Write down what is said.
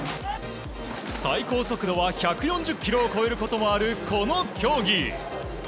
最高速度は１４０キロを超えることもあるこの競技。